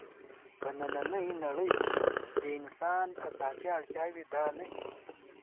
په نننۍ نړۍ کې د انسان اساسي اړتیاوې دا نه دي.